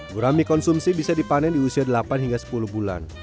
gurami konsumsi bisa dipanen di usia delapan hingga sepuluh bulan